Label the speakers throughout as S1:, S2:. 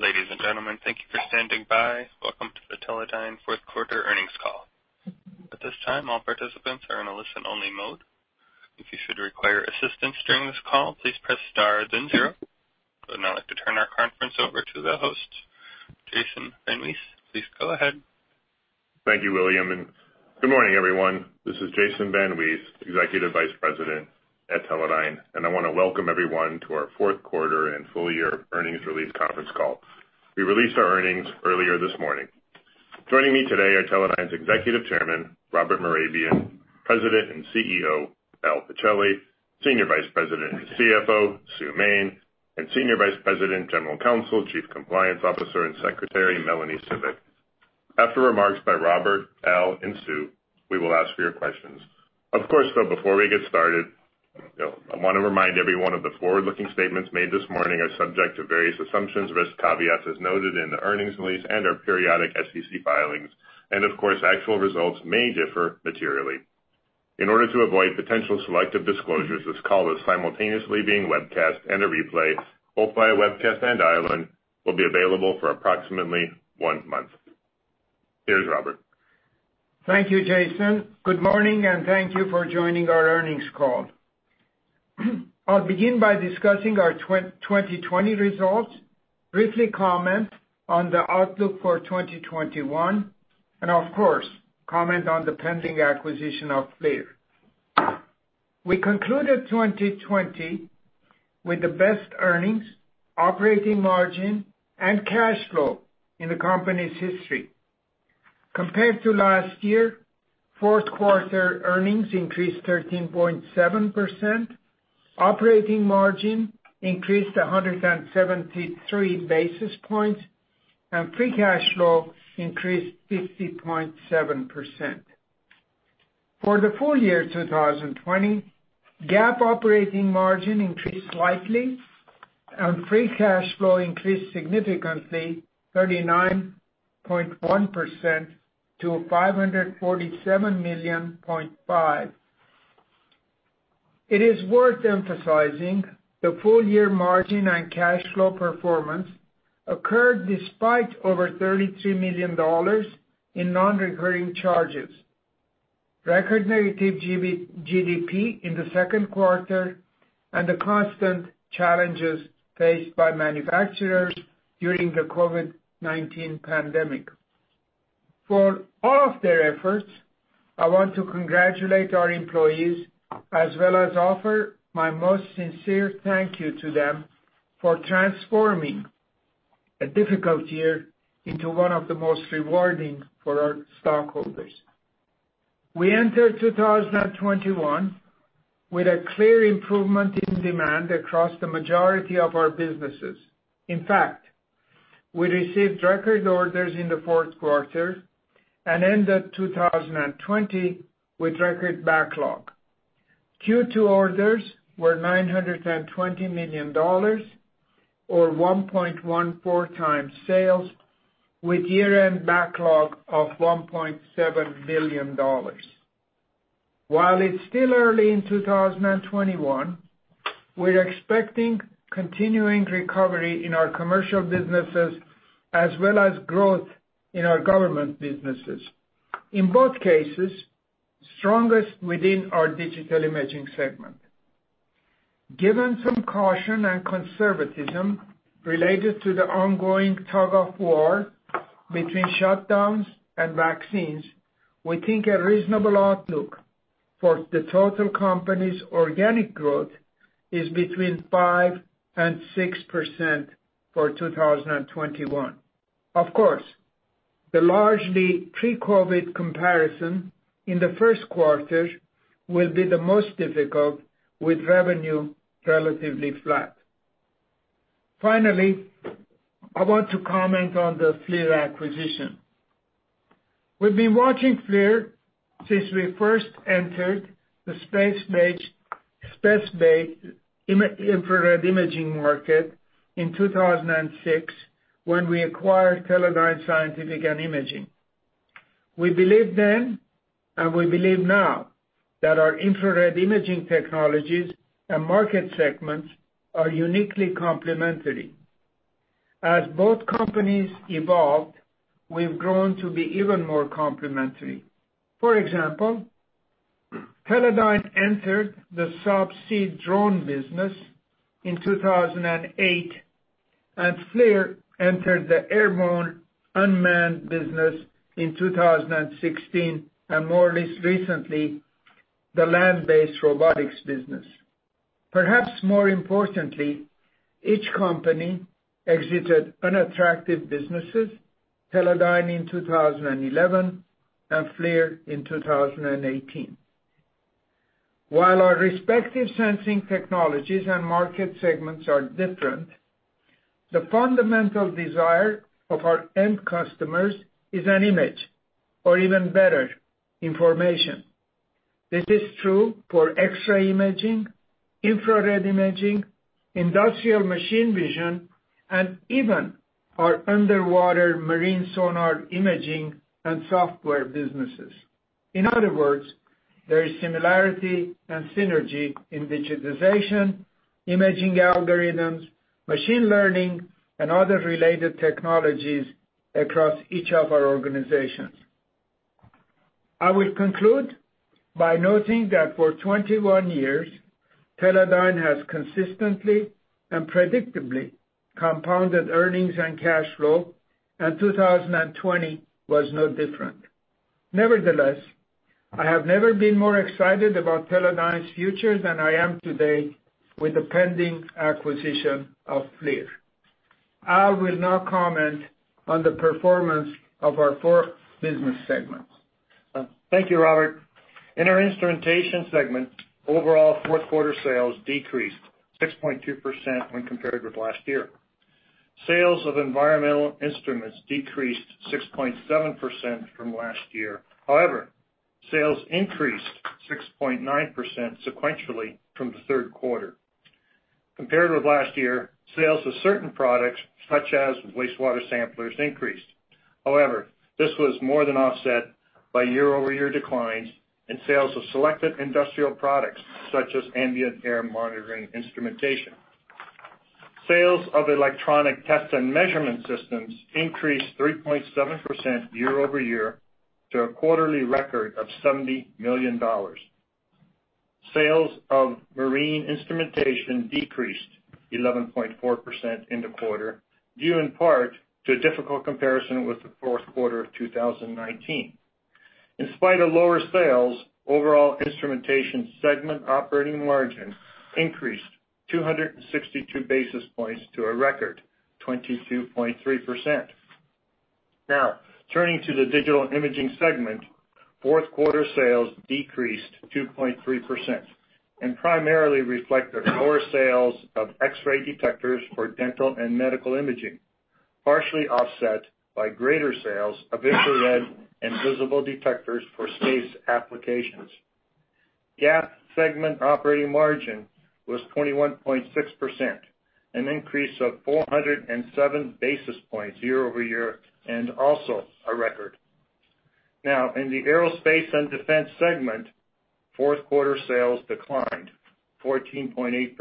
S1: Ladies and gentlemen, thank you for standing by. Welcome to the Teledyne Fourth Quarter Earnings Call. At this time, all participants are in a listen-only mode. If you should require assistance during this call, please press star then zero. I'd now like to turn our conference over to the host, Jason VanWees. Please go ahead.
S2: Thank you, William. And good morning, everyone. This is Jason VanWees, Executive Vice President at Teledyne, and I want to welcome everyone to our Fourth Quarter and Full Year Earnings Release Conference call. We released our earnings earlier this morning. Joining me today are Teledyne's Executive Chairman, Robert Mehrabian, President and CEO, Al Pichelli, Senior Vice President and CFO, Sue Main, and Senior Vice President, General Counsel, Chief Compliance Officer, and Secretary, Melanie Cibik. After remarks by Robert, Al, and Sue, we will ask for your questions. Of course, though, before we get started, I want to remind everyone that the forward-looking statements made this morning are subject to various assumptions, risk caveats as noted in the earnings release and our periodic SEC filings. And, of course, actual results may differ materially. In order to avoid potential selective disclosures, this call is simultaneously being webcast and a replay, both by a webcast and dial-in, will be available for approximately one month. Here's Robert.
S3: Thank you, Jason. Good morning, and thank you for joining our earnings call. I'll begin by discussing our 2020 results, briefly comment on the outlook for 2021, and, of course, comment on the pending acquisition of FLIR. We concluded 2020 with the best earnings, operating margin, and cash flow in the company's history. Compared to last year, fourth quarter earnings increased 13.7%, operating margin increased 173 basis points, and free cash flow increased 50.7%. For the full year 2020, GAAP operating margin increased slightly, and free cash flow increased significantly, 39.1% to $547 million. It is worth emphasizing the full year margin and cash flow performance occurred despite over $33 million in non-recurring charges, record negative GDP in the second quarter, and the constant challenges faced by manufacturers during the COVID-19 pandemic. For all of their efforts, I want to congratulate our employees as well as offer my most sincere thank you to them for transforming a difficult year into one of the most rewarding for our stockholders. We entered 2021 with a clear improvement in demand across the majority of our businesses. In fact, we received record orders in the fourth quarter and ended 2020 with record backlog. Q2 orders were $920 million, or 1.14 times sales, with year-end backlog of $1.7 billion. While it's still early in 2021, we're expecting continuing recovery in our commercial businesses as well as growth in our government businesses, in both cases strongest within our Digital Imaging segment. Given some caution and conservatism related to the ongoing tug-of-war between shutdowns and vaccines, we think a reasonable outlook for the total company's organic growth is between 5% and 6% for 2021. Of course, the largely pre-COVID comparison in the first quarter will be the most difficult, with revenue relatively flat. Finally, I want to comment on the FLIR acquisition. We've been watching FLIR since we first entered the space-based infrared imaging market in 2006 when we acquired Teledyne Scientific and Imaging. We believed then, and we believe now, that our infrared imaging technologies and market segments are uniquely complementary. As both companies evolved, we've grown to be even more complementary. For example, Teledyne entered the subsea drone business in 2008, and FLIR entered the airborne unmanned business in 2016, and more recently, the land-based robotics business. Perhaps more importantly, each company exited unattractive businesses: Teledyne in 2011 and FLIR in 2018. While our respective sensing technologies and market segments are different, the fundamental desire of our end customers is an image, or even better, information. This is true for X-ray imaging, infrared imaging, industrial machine vision, and even our underwater marine sonar imaging and software businesses. In other words, there is similarity and synergy in digitization, imaging algorithms, machine learning, and other related technologies across each of our organizations. I will conclude by noting that for 21 years, Teledyne has consistently and predictably compounded earnings and cash flow, and 2020 was no different. Nevertheless, I have never been more excited about Teledyne's future than I am today with the pending acquisition of FLIR. Al will now comment on the performance of our four business segments.
S4: Thank you, Robert. In our Instrumentation segment, overall Fourth Quarter sales decreased 6.2% when compared with last year. Sales of environmental instruments decreased 6.7% from last year. However, sales increased 6.9% sequentially from the third quarter. Compared with last year, sales of certain products, such as wastewater samplers, increased. However, this was more than offset by year-over-year declines in sales of selected industrial products, such as ambient air monitoring instrumentation. Sales of electronic test and measurement systems increased 3.7% year-over-year to a quarterly record of $70 million. Sales of marine instrumentation decreased 11.4% in the quarter, due in part to a difficult comparison with the Fourth Quarter of 2019. In spite of lower sales, overall instrumentation segment operating margin increased 262 basis points to a record 22.3%. Now, turning to the Digital Imaging segment, fourth quarter sales decreased 2.3% and primarily reflected lower sales of X-ray detectors for dental and medical imaging, partially offset by greater sales of infrared and visible detectors for space applications. GAAP segment operating margin was 21.6%, an increase of 407 basis points year-over-year, and also a record. Now, in the Aerospace and Defense segment, fourth quarter sales declined 14.8%,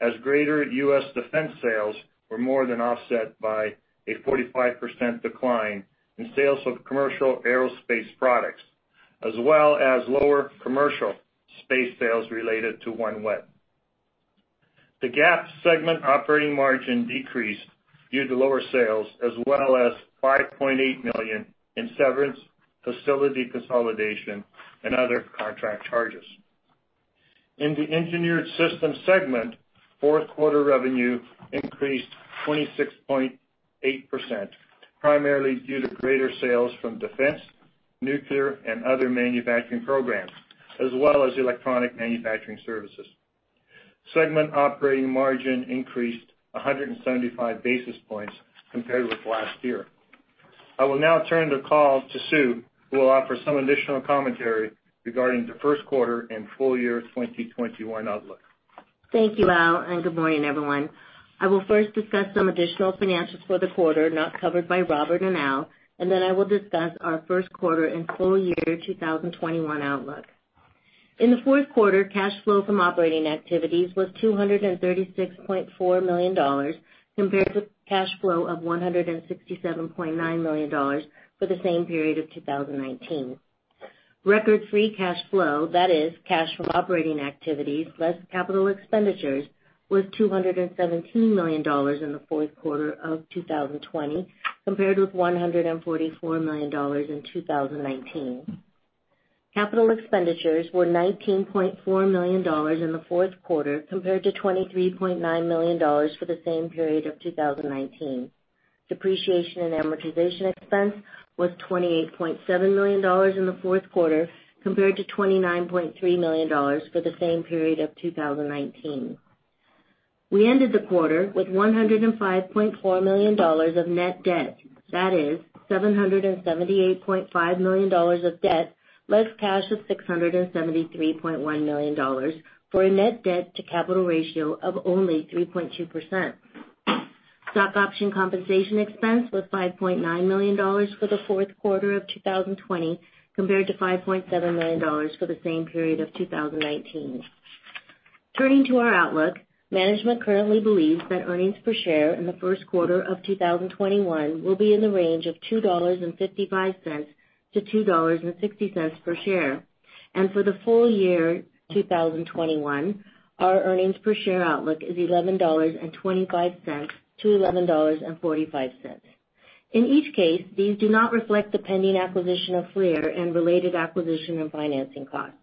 S4: as greater U.S. defense sales were more than offset by a 45% decline in sales of commercial aerospace products, as well as lower commercial space sales related to OneWeb. The GAAP segment operating margin decreased due to lower sales, as well as $5.8 million in severance, facility consolidation, and other contract charges. In the Engineered Systems segment, fourth quarter revenue increased 26.8%, primarily due to greater sales from defense, nuclear, and other manufacturing programs, as well as electronic manufacturing services. Segment operating margin increased 175 basis points compared with last year. I will now turn the call to Sue, who will offer some additional commentary regarding the first quarter and full year 2021 outlook.
S5: Thank you, Al, and good morning, everyone. I will first discuss some additional financials for the quarter not covered by Robert and Al, and then I will discuss our first quarter and full year 2021 outlook. In the fourth quarter, cash flow from operating activities was $236.4 million compared to cash flow of $167.9 million for the same period of 2019. Record free cash flow, that is, cash from operating activities less capital expenditures, was $217 million in the fourth quarter of 2020 compared with $144 million in 2019. Capital expenditures were $19.4 million in the fourth quarter compared to $23.9 million for the same period of 2019. Depreciation and amortization expense was $28.7 million in the fourth quarter compared to $29.3 million for the same period of 2019. We ended the quarter with $105.4 million of net debt, that is, $778.5 million of debt less cash of $673.1 million for a net debt-to-capital ratio of only 3.2%. Stock option compensation expense was $5.9 million for the fourth quarter of 2020 compared to $5.7 million for the same period of 2019. Turning to our outlook, management currently believes that earnings per share in the first quarter of 2021 will be in the range of $2.55-$2.60 per share. And for the full year 2021, our earnings per share outlook is $11.25-$11.45. In each case, these do not reflect the pending acquisition of FLIR and related acquisition and financing costs.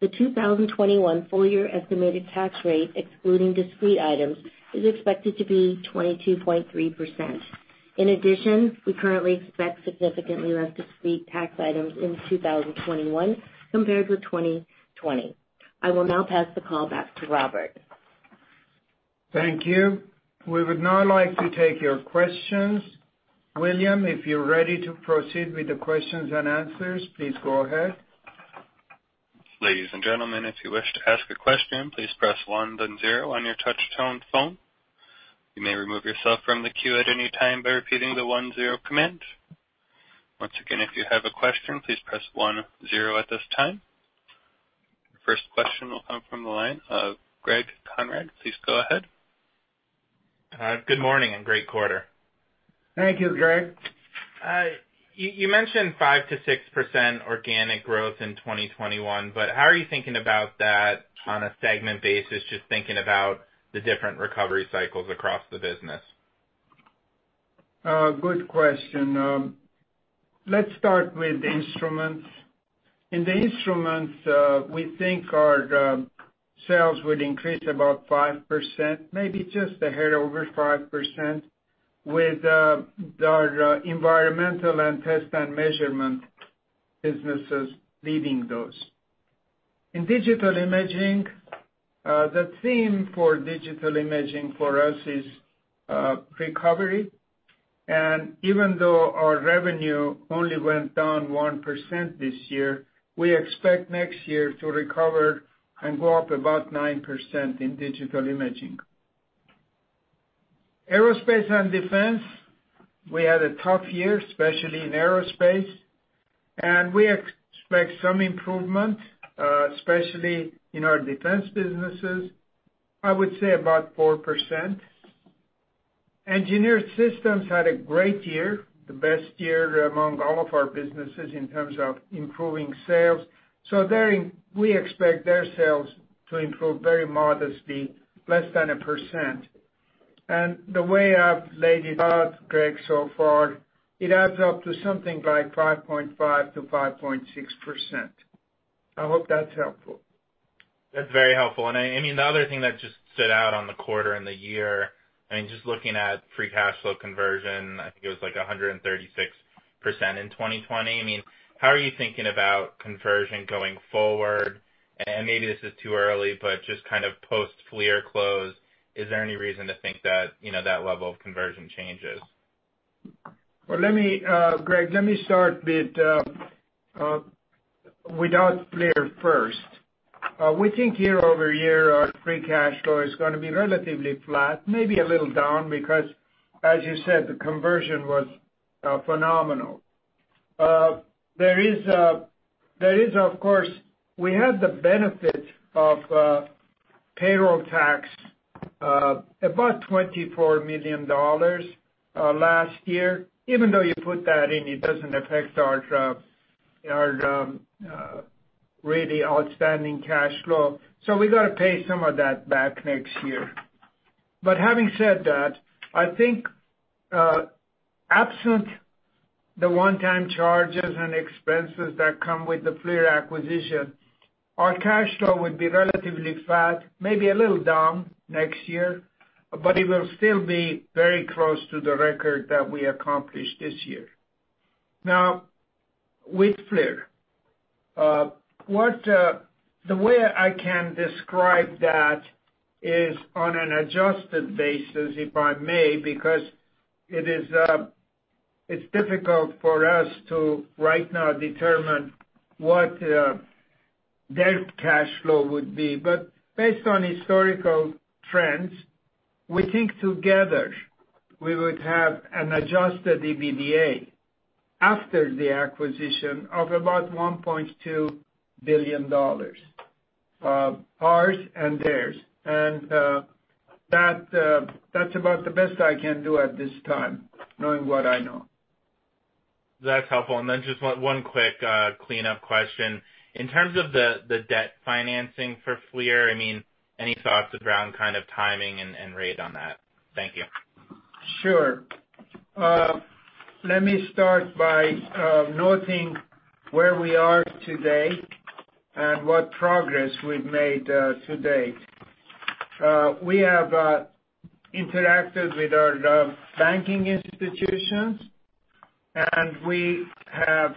S5: The 2021 full year estimated tax rate, excluding discrete items, is expected to be 22.3%. In addition, we currently expect significantly less discrete tax items in 2021 compared with 2020. I will now pass the call back to Robert.
S3: Thank you. We would now like to take your questions. William, if you're ready to proceed with the questions and answers, please go ahead.
S1: Ladies and gentlemen, if you wish to ask a question, please press one, then zero on your touch-tone phone. You may remove yourself from the queue at any time by repeating the one, zero command. Once again, if you have a question, please press one, zero at this time. First question will come from the line of Greg Konrad. Please go ahead.
S6: Good morning and great quarter.
S3: Thank you, Greg.
S6: You mentioned 5%-6% organic growth in 2021, but how are you thinking about that on a segment basis, just thinking about the different recovery cycles across the business?
S3: Good question. Let's start with the instruments. In the instruments, we think our sales would increase about 5%, maybe just a hair over 5%, with our environmental and test and measurement businesses leading those. In Digital Imaging, the theme for Digital Imaging for us is recovery. Even though our revenue only went down 1% this year, we expect next year to recover and go up about 9% in Digital Imaging. Aerospace and Defense, we had a tough year, especially in aerospace, and we expect some improvement, especially in our defense businesses, I would say about 4%. Engineered Systems had a great year, the best year among all of our businesses in terms of improving sales. We expect their sales to improve very modestly, less than 1%. The way I've laid it out, Greg, so far, it adds up to something like 5.5%-5.6%. I hope that's helpful.
S6: That's very helpful. I mean, the other thing that just stood out on the quarter and the year, I mean, just looking at free cash flow conversion, I think it was like 136% in 2020. I mean, how are you thinking about conversion going forward? And maybe this is too early, but just kind of post-FLIR close, is there any reason to think that that level of conversion changes?
S3: Well, Greg, let me start with without FLIR first. We think year-over-year our free cash flow is going to be relatively flat, maybe a little down, because, as you said, the conversion was phenomenal. There is, of course, we had the benefit of payroll tax, about $24 million last year. Even though you put that in, it doesn't affect our really outstanding cash flow. So we got to pay some of that back next year. But having said that, I think absent the one-time charges and expenses that come with the FLIR acquisition, our cash flow would be relatively flat, maybe a little down next year, but it will still be very close to the record that we accomplished this year. Now, with FLIR, the way I can describe that is on an adjusted basis, if I may, because it's difficult for us to right now determine what their cash flow would be. But based on historical trends, we think together we would have an adjusted EBITDA after the acquisition of about $1.2 billion, ours and theirs. And that's about the best I can do at this time, knowing what I know.
S6: That's helpful. And then just one quick cleanup question. In terms of the debt financing for FLIR, I mean, any thoughts around kind of timing and rate on that? Thank you.
S3: Sure. Let me start by noting where we are today and what progress we've made to date. We have interacted with our banking institutions, and we have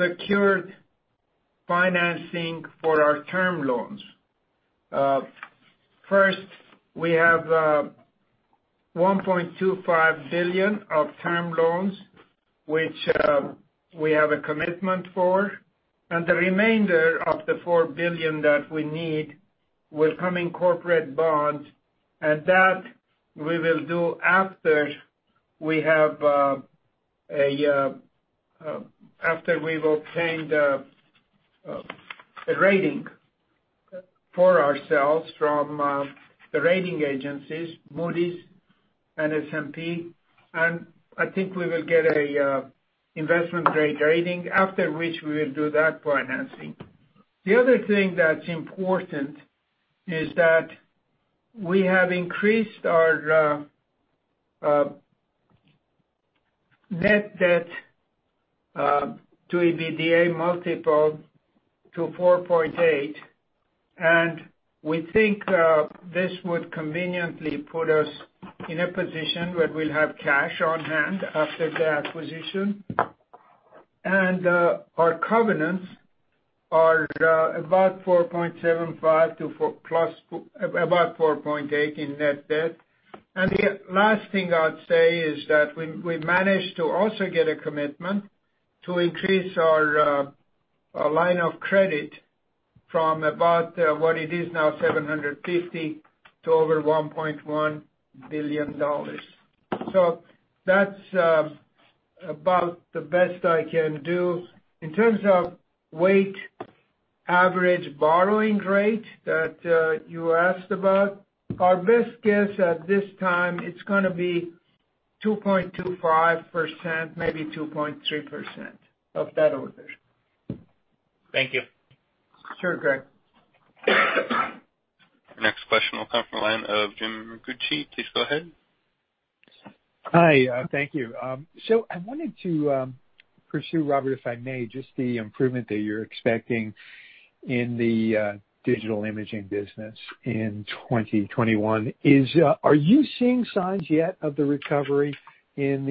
S3: secured financing for our term loans. First, we have $1.25 billion of term loans, which we have a commitment for, and the remainder of the $4 billion that we need will come in corporate bonds. And that we will do after we've obtained a rating for ourselves from the rating agencies, Moody's and S&P. And I think we will get an investment-grade rating, after which we will do that financing. The other thing that's important is that we have increased our net debt to EBITDA multiple to 4.8. And we think this would conveniently put us in a position where we'll have cash on hand after the acquisition. Our covenants are about 4.75 to plus about 4.8 in net debt. The last thing I'd say is that we managed to also get a commitment to increase our line of credit from about what it is now, $750 million, to over $1.1 billion. That's about the best I can do. In terms of weighted average borrowing rate that you asked about, our best guess at this time, it's going to be 2.25%, maybe 2.3%, of that order.
S6: Thank you.
S3: Sure, Greg.
S1: Next question will come from the line of Jim Ricchiuti. Please go ahead.
S7: Hi. Thank you. So I wanted to pursue, Robert, if I may, just the improvement that you're expecting in the Digital Imaging business in 2021. Are you seeing signs yet of the recovery in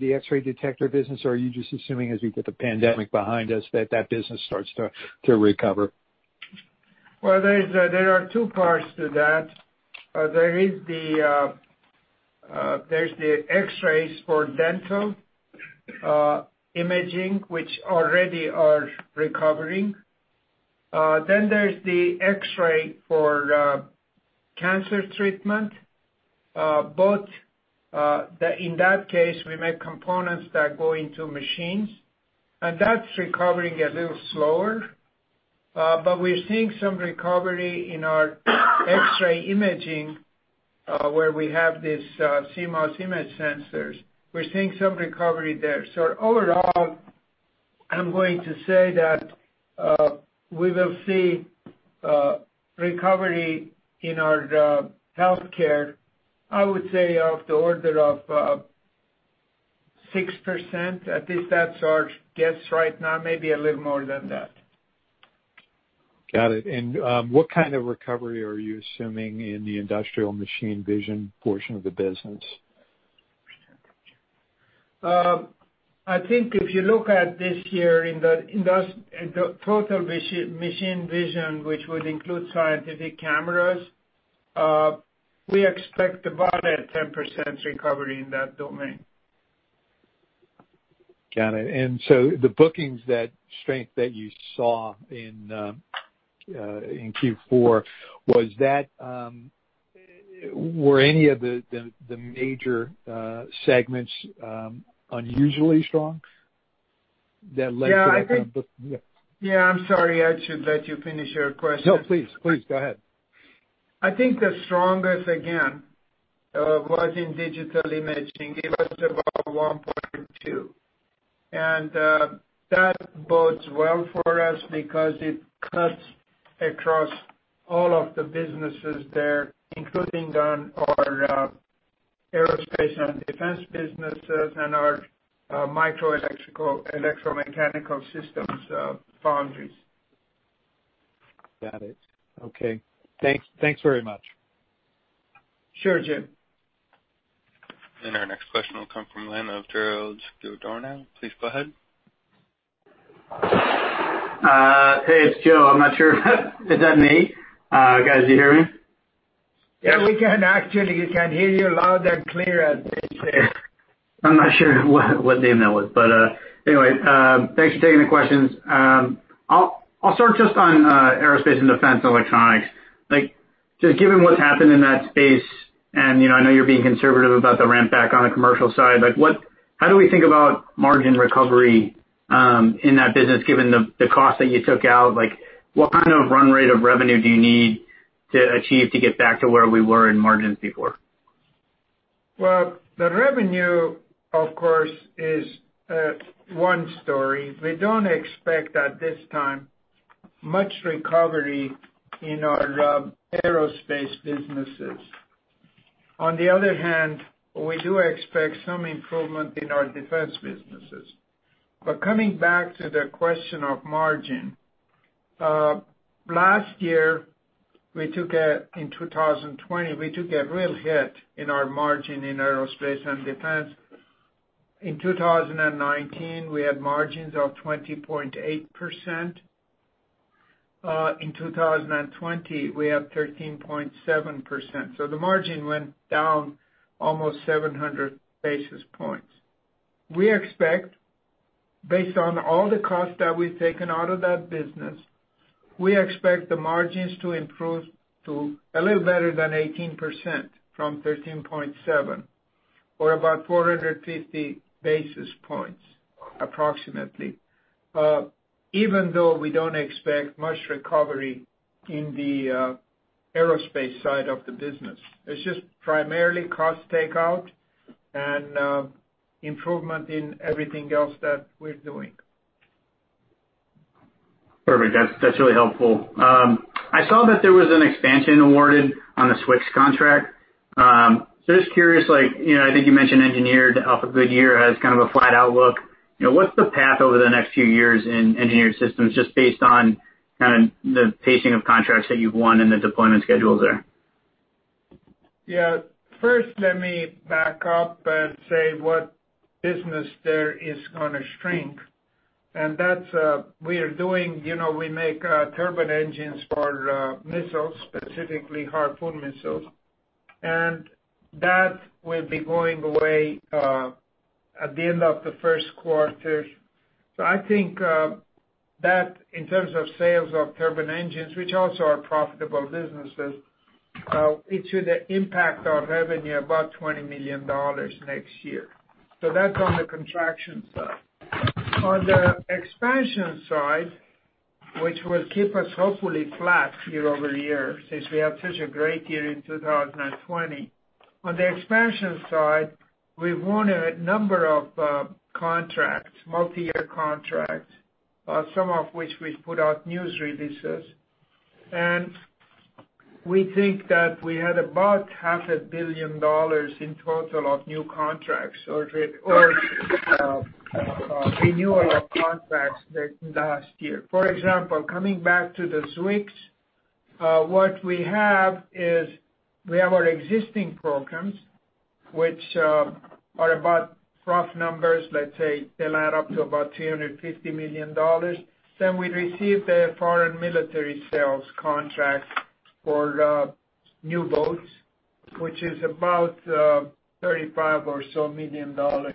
S7: the X-ray detector business, or are you just assuming, as we get the pandemic behind us, that that business starts to recover?
S3: There are two parts to that. There is the X-rays for dental imaging, which already are recovering. Then there's the X-ray for cancer treatment. But in that case, we make components that go into machines, and that's recovering a little slower. But we're seeing some recovery in our X-ray imaging, where we have these CMOS image sensors. We're seeing some recovery there. So overall, I'm going to say that we will see recovery in our healthcare, I would say, of the order of 6%. At least that's our guess right now, maybe a little more than that.
S7: Got it. And what kind of recovery are you assuming in the industrial machine vision portion of the business?
S3: I think if you look at this year in the total machine vision, which would include scientific cameras, we expect about a 10% recovery in that domain.
S7: Got it. And so the booking strength that you saw in Q4, were any of the major segments unusually strong that led to?
S3: Yeah, I think. Yeah, I'm sorry. I should let you finish your question.
S7: No, please. Please go ahead.
S3: I think the strongest, again, was in Digital Imaging. It was about 1.2, and that bodes well for us because it cuts across all of the businesses there, including our Aerospace and Defense businesses and our micro-electro-mechanical systems foundries.
S7: Got it. Okay. Thanks very much.
S3: Sure, Jim.
S1: Our next question will come from the line of Joe Giordano. Please go ahead.
S8: Hey, it's Joe. I'm not sure if that's me. Guys, do you hear me?
S3: Yeah. We can actually hear you loud and clear, as they say.
S8: I'm not sure what name that was. But anyway, thanks for taking the questions. I'll start just on Aerospace and Defense and electronics. Just given what's happened in that space, and I know you're being conservative about the ramp back on the commercial side, how do we think about margin recovery in that business, given the cost that you took out? What kind of run rate of revenue do you need to achieve to get back to where we were in margins before?
S3: The revenue, of course, is one story. We don't expect at this time much recovery in our aerospace businesses. On the other hand, we do expect some improvement in our defense businesses. But coming back to the question of margin, last year, in 2020, we took a real hit in our margin in Aerospace and Defense. In 2019, we had margins of 20.8%. In 2020, we have 13.7%. So the margin went down almost 700 basis points. Based on all the costs that we've taken out of that business, we expect the margins to improve to a little better than 18% from 13.7, or about 450 basis points, approximately, even though we don't expect much recovery in the aerospace side of the business. It's just primarily cost takeout and improvement in everything else that we're doing.
S8: Perfect. That's really helpful. I saw that there was an expansion awarded on the SWCS contract. So just curious, I think you mentioned Engineered after a good year has kind of a flat outlook. What's the path over the next few years in Engineered Systems, just based on kind of the pacing of contracts that you've won and the deployment schedules there?
S3: Yeah. First, let me back up and say what business there is going to shrink. And we make turbine engines for missiles, specifically Harpoon missiles. And that will be going away at the end of the first quarter. So I think that in terms of sales of turbine engines, which also are profitable businesses, it should impact our revenue about $20 million next year. So that's on the contraction side. On the expansion side, which will keep us hopefully flat year-over-year since we had such a great year in 2020, on the expansion side, we've won a number of contracts, multi-year contracts, some of which we've put out news releases. And we think that we had about $500 million in total of new contracts or renewal of contracts last year. For example, coming back to the SWCS, what we have is we have our existing programs, which are about rough numbers, let's say they'll add up to about $350 million. Then we received a foreign military sales contract for new boats, which is about $35 or so million dollars,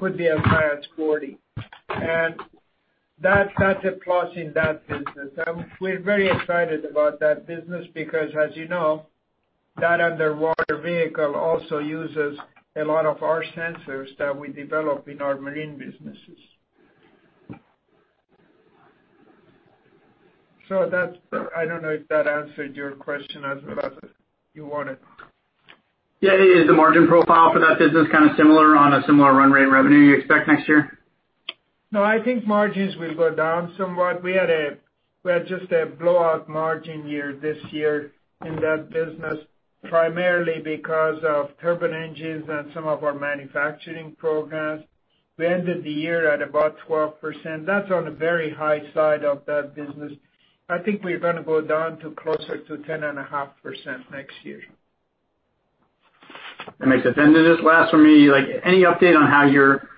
S3: put the advance at $40 million. And that's a plus in that business. We're very excited about that business because, as you know, that underwater vehicle also uses a lot of our sensors that we develop in our marine businesses. So I don't know if that answered your question as well as you wanted.
S8: Yeah. Is the margin profile for that business kind of similar on a similar run rate revenue you expect next year?
S3: No, I think margins will go down somewhat. We had just a blowout margin year this year in that business, primarily because of turbine engines and some of our manufacturing programs. We ended the year at about 12%. That's on the very high side of that business. I think we're going to go down to closer to 10.5% next year.
S8: That makes sense. And then just last for me, any update on how you're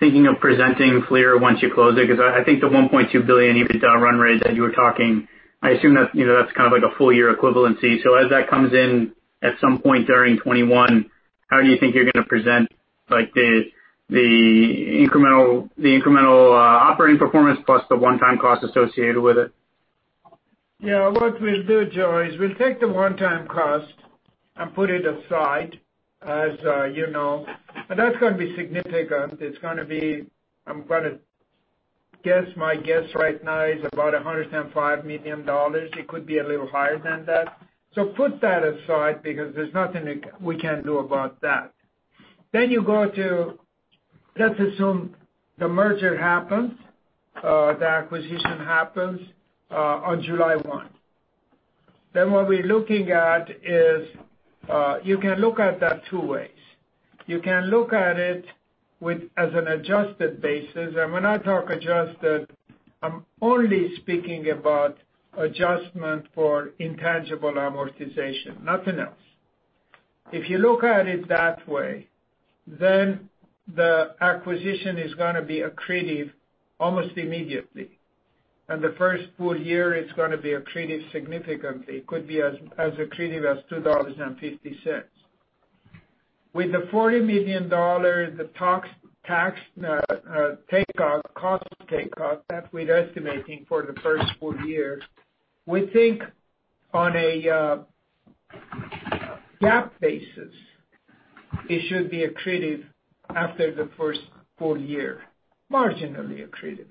S8: thinking of presenting FLIR once you close it? Because I think the $1.2 billion EBITDA run rate that you were talking, I assume that's kind of like a full-year equivalency. So as that comes in at some point during 2021, how do you think you're going to present the incremental operating performance plus the one-time cost associated with it?
S3: Yeah. What we'll do, Joe, is we'll take the one-time cost and put it aside, as you know. And that's going to be significant. It's going to be. I'm going to guess my guess right now is about $105 million. It could be a little higher than that. So put that aside because there's nothing we can do about that. Then you go to, let's assume the merger happens, the acquisition happens on July 1. Then what we're looking at is you can look at that two ways. You can look at it as an adjusted basis. And when I talk adjusted, I'm only speaking about adjustment for intangible amortization, nothing else. If you look at it that way, then the acquisition is going to be accretive almost immediately. And the first full year, it's going to be accretive significantly. It could be as accretive as $2.50. With the $40 million, the tax takeout, cost takeout that we're estimating for the first full year, we think on a GAAP basis, it should be accretive after the first full year, marginally accretive.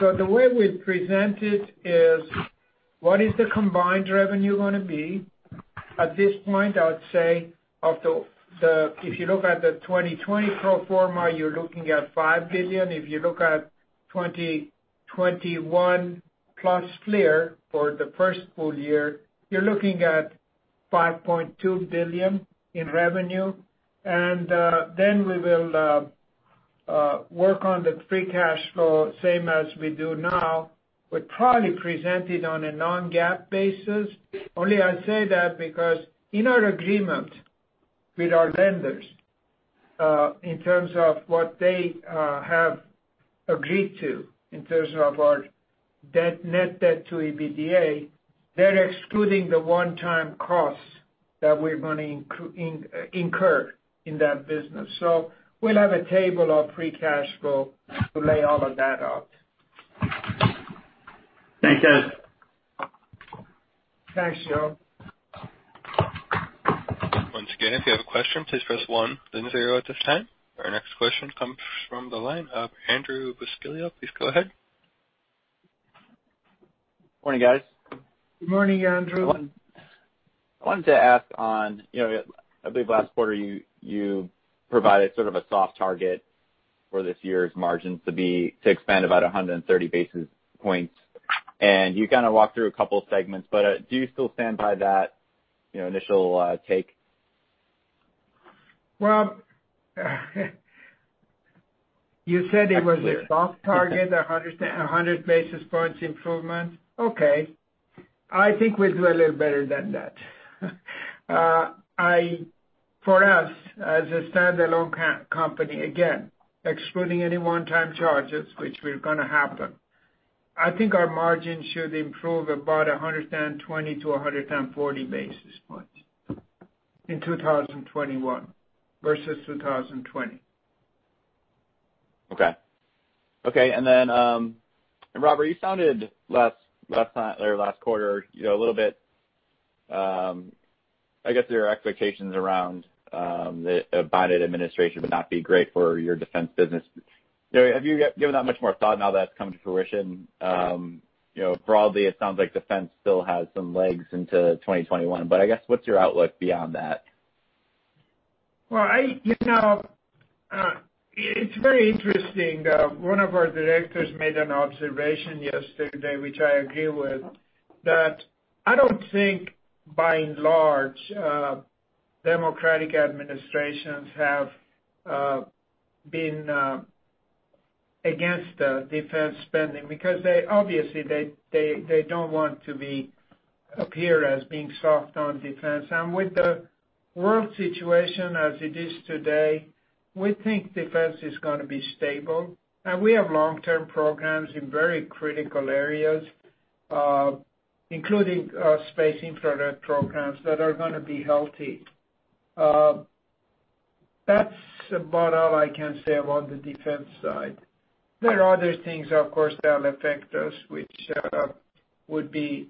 S3: So the way we present it is, what is the combined revenue going to be? At this point, I would say, if you look at the 2020 pro forma, you're looking at $5 billion. If you look at 2021 plus FLIR for the first full year, you're looking at $5.2 billion in revenue, and then we will work on the free cash flow, same as we do now. We'll probably present it on a non-GAAP basis. Only I say that because in our agreement with our lenders, in terms of what they have agreed to, in terms of our net debt to EBITDA, they're excluding the one-time costs that we're going to incur in that business. So we'll have a table of free cash flow to lay all of that out.
S8: Thanks, guys.
S3: Thanks, Joe.
S1: Once again, if you have a question, please press one, then zero at this time. Our next question comes from the line of Andrew Buscaglia. Please go ahead.
S9: Morning, guys.
S3: Good morning, Andrew.
S9: I wanted to ask on, I believe, last quarter, you provided sort of a soft target for this year's margins to expand about 130 basis points. And you kind of walked through a couple of segments. But do you still stand by that initial take?
S3: You said it was a soft target, 100 basis points improvement. Okay. I think we'll do a little better than that. For us, as a standalone company, again, excluding any one-time charges, which will kind of happen, I think our margin should improve about 120-140 basis points in 2021 versus 2020.
S9: Okay. And then, Robert, you sounded last quarter a little bit, I guess, your expectations around the Biden administration would not be great for your defense business. Have you given that much more thought now that it's come to fruition? Broadly, it sounds like defense still has some legs into 2021. But I guess, what's your outlook beyond that?
S3: Well, it's very interesting. One of our directors made an observation yesterday, which I agree with, that I don't think, by and large, Democratic administrations have been against defense spending because, obviously, they don't want to appear as being soft on defense, and with the world situation as it is today, we think defense is going to be stable, and we have long-term programs in very critical areas, including space infrared programs that are going to be healthy. That's about all I can say about the defense side. There are other things, of course, that will affect us, which would be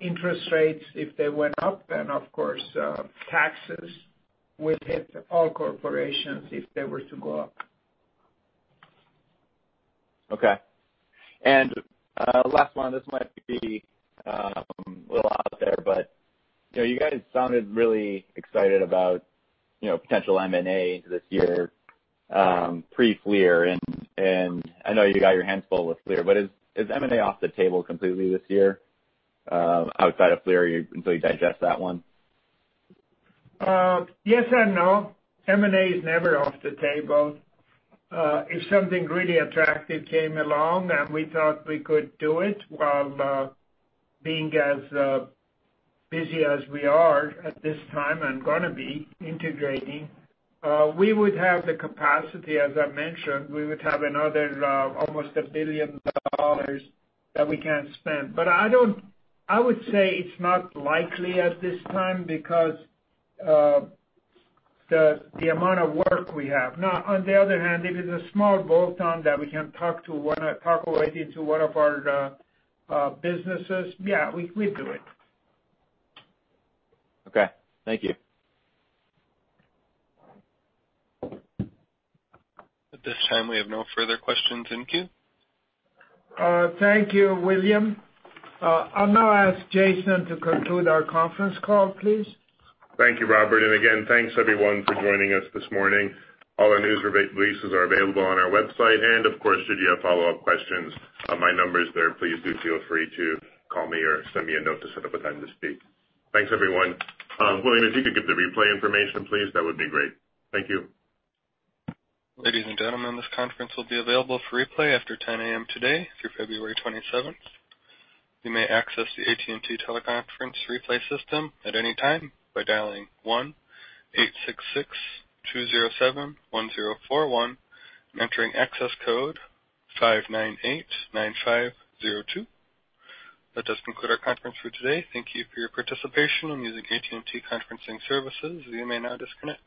S3: interest rates if they went up, and, of course, taxes will hit all corporations if they were to go up.
S9: Okay. And last one, this might be a little out there, but you guys sounded really excited about potential M&A this year, pre-FLIR. And I know you got your hands full with FLIR, but is M&A off the table completely this year outside of FLIR until you digest that one?
S3: Yes and no. M&A is never off the table. If something really attractive came along and we thought we could do it while being as busy as we are at this time and going to be integrating, we would have the capacity, as I mentioned. We would have another almost $1 billion that we can spend. But I would say it's not likely at this time because the amount of work we have. Now, on the other hand, if it's a small bolt-on that we can tuck away into one of our businesses, yeah, we'd do it.
S9: Okay. Thank you.
S1: At this time, we have no further questions in queue.
S3: Thank you, William. I'll now ask Jason to conclude our conference call, please.
S2: Thank you, Robert, and again, thanks, everyone, for joining us this morning. All our news releases are available on our website, and, of course, should you have follow-up questions, my number is there. Please do feel free to call me or send me a note to set up a time to speak. Thanks, everyone. William, if you could give the replay information, please, that would be great. Thank you.
S1: Ladies and gentlemen, this conference will be available for replay after 10:00 A.M. today through February 27th. You may access the AT&T Teleconference replay system at any time by dialing 1-866-207-1041 and entering access code 5989502. That does conclude our conference for today. Thank you for your participation. I'm using AT&T conferencing services. You may now disconnect.